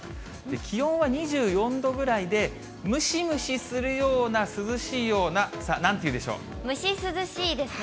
気温は２４度ぐらいでムシムシするような涼しいような、さあ、蒸し涼しいですね。